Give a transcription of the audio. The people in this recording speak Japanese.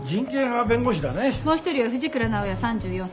もう一人は藤倉尚也３４歳。